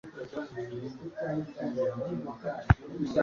Ryaba ari ikosa rikomeye gutekereza ko ari iby'abagabura gusa babyerejwe,